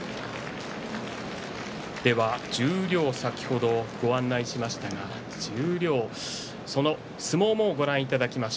十両、先ほどご案内しましたが相撲をご覧いただきます。